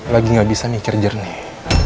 lagi gak bisa mikir jernih